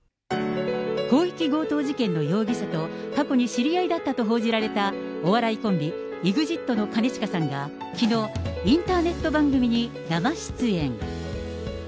広域強盗事件の容疑者と、過去に知り合いだったと報じられた、お笑いコンビ、ＥＸＩＴの兼近さんがきのう、インターネット番組に生出演。